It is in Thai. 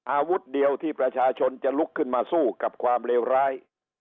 อาวุธเดียวที่ประชาชนจะลุกขึ้นมาสู้กับความเลวร้าย